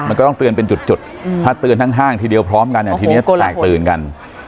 มันก็ต้องเตือนเป็นจุดถ้าเตือนทั้งห้างทีเดียวพร้อมกันทีนี้แตกตื่นกัน